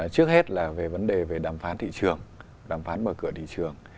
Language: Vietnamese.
trước hết là về vấn đề về đàm phán thị trường đàm phán mở cửa thị trường